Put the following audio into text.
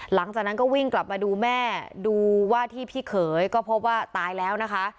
หลังจากนั้นก็วิ่งกลับมาดูแม่ดูว่าที่พี่เขยก็พบว่าตายแล้วนะคะ